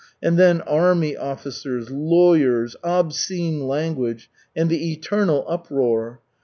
And then, army officers, lawyers, obscene language, and the eternal uproar!